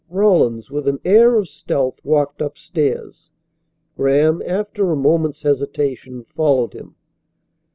Rawlins, with an air of stealth, walked upstairs. Graham, after a moment's hesitation, followed him.